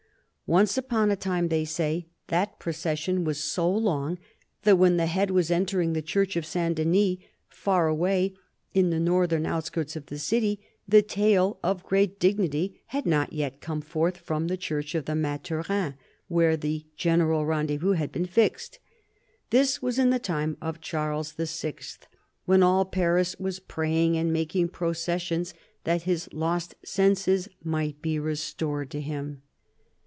Once upon a time, they say, that procession was so long that when the head was entering the Church of St. Denis, far away in the northern outskirts of the city, the tail, of great dignity, had not yet come forth from the Church of the Mathurins, where the general rendez vous had been fixed. This was in the time of Charles VI., when all Paris was praying and making processions that his lost senses might be restored to him.